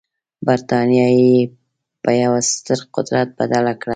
برټانیه یې په یوه ستر قدرت بدله کړه.